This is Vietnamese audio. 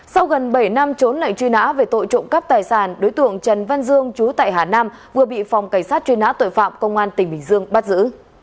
sau gần bảy năm trốn lệnh truy nã về tội trộm cắp tài sản đối tượng trần văn dương chú tại hà nam vừa bị phòng cảnh sát truy nã tội phạm công an tỉnh bình dương bắt giữ